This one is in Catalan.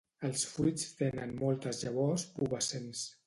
Els fruits tenen moltes llavors pubescents.